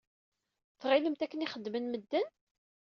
Tɣilemt akken i xeddmen medden?